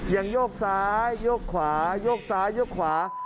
โยกซ้ายโยกขวาโยกซ้ายโยกขวา